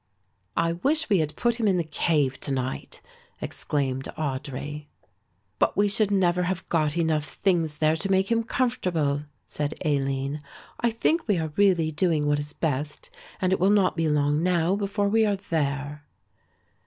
"I wish we had put him in the cave to night," exclaimed Audry. "But we should never have got enough things there to make him comfortable," said Aline. "I think we are really doing what is best and it will not be long now before we are there."